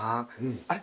あれ？